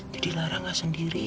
jadi lara gak sendirian